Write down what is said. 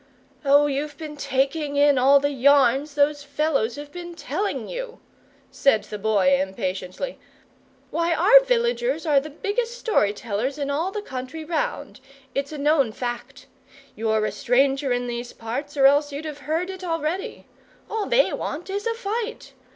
"Oh, you've been taking in all the yarns those fellows have been telling you," said the Boy impatiently. "Why, our villagers are the biggest story tellers in all the country round. It's a known fact. You're a stranger in these parts, or else you'd have heard it already. All they want is a FIGHT.